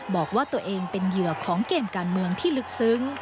บอกว่าตัวเองเป็นเหยื่อของเกมการเมืองที่ลึกซึ้ง